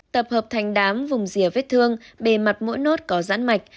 tập hợp thành đám vùng rìa vết thương bề mặt mỗi nốt có rãn mạch